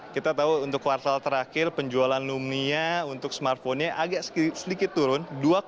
kita tahu untuk kuartal terakhir penjualan lumia untuk smartphone nya agak sedikit turun